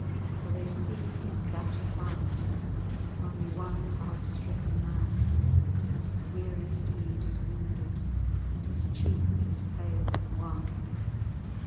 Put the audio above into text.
For they see in battered harness Only one hard stricken man; And his weary steed is wounded, And his cheek is pale and wan.